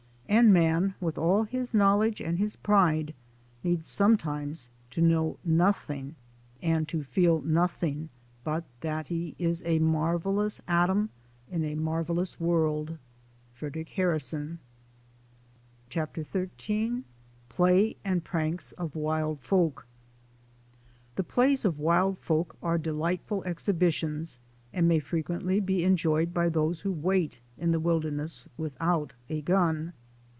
And man, with all his knowledge and his pride, needs sometimes to know nothing and to feel nothing but that he is a marvellous atom in a marvellous world, — Frederic Harrison. CHAPTER XIII PLAY AND PRANKS OF WILD FOLK THE plays of wild folk are delightful ex hibitions and may frequently be enjoyed by those who wait in the wilderness without a gun.